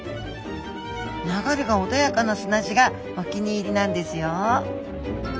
流れが穏やかな砂地がお気に入りなんですよ。